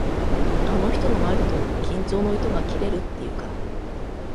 あの人の前だと、緊張の糸が切れるっていうか。